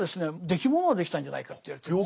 できものができたんじゃないかといわれてるんです。